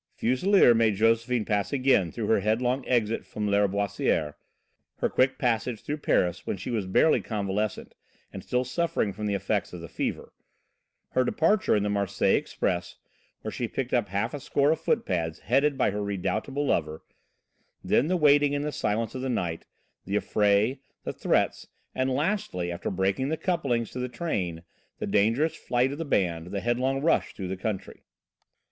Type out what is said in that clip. Fuselier made Josephine pass again through her headlong exit from Lâriboisière, her quick passage through Paris when she was barely convalescent, and still suffering from the effects of the fever, her departure in the Marseilles Express, where she picked up half a score of footpads headed by her redoubtable lover; then the waiting in the silence of the night, the affray, the threats, and lastly, after breaking the couplings to the train, the dangerous flight of the band, the headlong rush through the country.